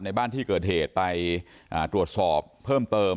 ในบ้านที่เกิดเหตุไปตรวจสอบเพิ่มเติม